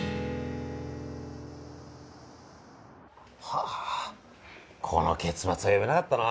はぁこの結末は読めなかったな。